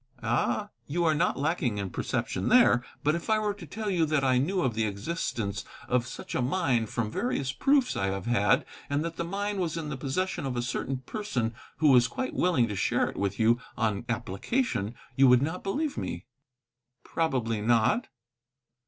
"Ah, you are not lacking in perception there. But if I were to tell you that I knew of the existence of such a mine, from various proofs I have had, and that the mine was in the possession of a certain person who was quite willing to share it with you on application, you would not believe me." "Probably not."